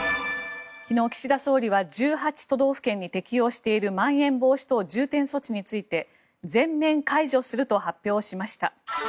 昨日、岸田総理は１８都道府県に適用しているまん延防止等重点措置について全面解除すると発表しました。